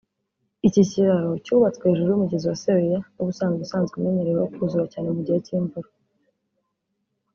Iki kiraro cyubatswe hejuru y’umugezi wa Sebeya n’ubusanzwe usanzwe umenyereweho kuzura cyane mu gihe cy’imvura